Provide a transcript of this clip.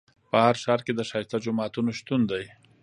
په هر ښار کې د ښایسته جوماتونو شتون دی.